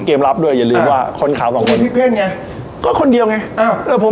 รับด้วยอย่าลืมว่าคนขาวสองคนพี่เพ่นไงก็คนเดียวไงอ้าวเออผม